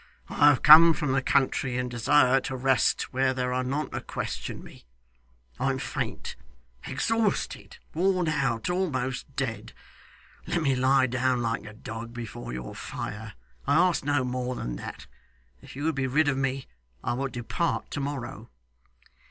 I have come from the country, and desire to rest where there are none to question me. I am faint, exhausted, worn out, almost dead. Let me lie down, like a dog, before your fire. I ask no more than that. If you would be rid of me, I will depart to morrow.